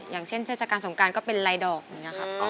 อย่างเช่นเทศกาลสงการก็เป็นลายดอกอย่างนี้ครับ